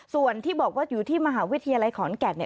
ส่วนที่บอกว่าอยู่ที่มหาวิทยาลัยขอนแก่น